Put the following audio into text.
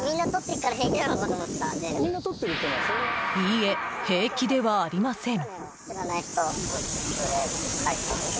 いいえ、平気ではありません。